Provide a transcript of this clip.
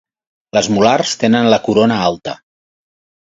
Les molars tenen la corona alta.